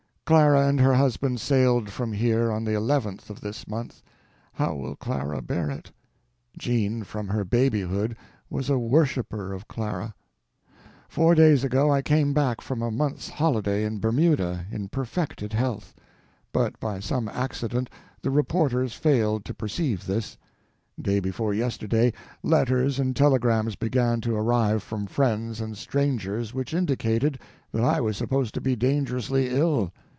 Clara and her husband sailed from here on the 11th of this month. How will Clara bear it? Jean, from her babyhood, was a worshiper of Clara. Four days ago I came back from a month's holiday in Bermuda in perfected health; but by some accident the reporters failed to perceive this. Day before yesterday, letters and telegrams began to arrive from friends and strangers which indicated that I was supposed to be dangerously ill.